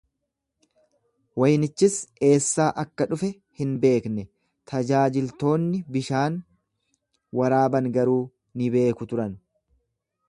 Waynichis eessaa akka dhufe hin beekne, tajaajiltoonni bishaan waraaban garuu ni beeku turan.